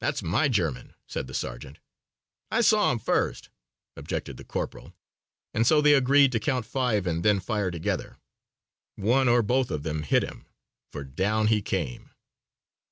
"That's my German," said the sergeant. "I saw him first," objected the corporal, and so they agreed to count five and then fire together. One or both of them hit him, for down he came.